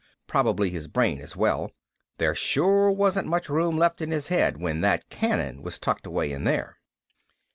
Probably his brain as well. There sure wasn't much room left in his head when that cannon was tucked away in there.